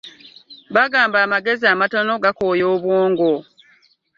Bagamba amagezi amatono gakooya bwongo.